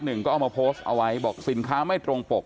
เอามาโพสต์เอาไว้บอกสินค้าไม่ตรงปก